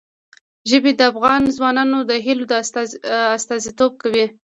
ژبې د افغان ځوانانو د هیلو استازیتوب کوي.